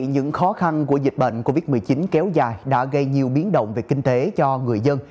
những khó khăn của dịch bệnh covid một mươi chín kéo dài đã gây nhiều biến động về kinh tế cho người dân